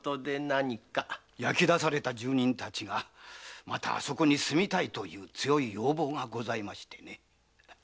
焼け出された住人達がまたあそこに住みたいという強い要望がございましてね。